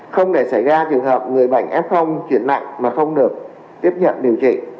không để xảy ra trường hợp người bệnh f chuyển nặng mà không được tiếp nhận điều trị